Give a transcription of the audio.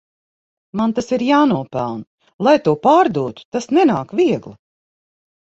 Man tas ir jānopelna lai to pārdotu, tas nenāk viegli.